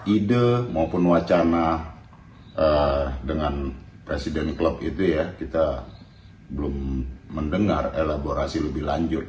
ide maupun wacana dengan presiden klub itu ya kita belum mendengar elaborasi lebih lanjut